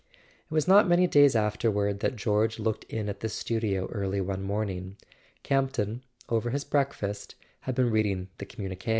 It was not many days afterward that George looked in at the studio early one morning. Campton, over his breakfast, had been reading the communique.